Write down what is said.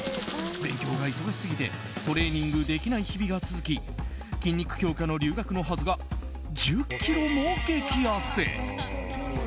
勉強が忙しすぎてトレーニングできない日々が続き筋肉強化の留学のはずが１０ｋｇも激やせ。